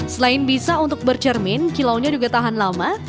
selain bisa untuk bercermin kilaunya juga tahan lama